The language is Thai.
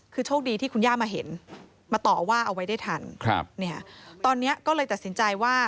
คือโชคดีที่คุณย่ามาเห็นมาต่อว่าเอาไว้ได้ทันครับเนี่ยตอนนี้ก็เลยตัดสินใจว่า